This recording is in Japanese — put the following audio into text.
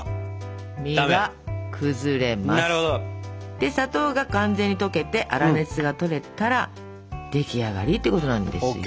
で砂糖が完全に溶けて粗熱がとれたら出来上がりってことなんですよ。